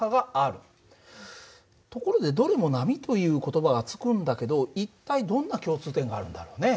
ところでどれも波という言葉が付くんだけど一体どんな共通点があるんだろうね？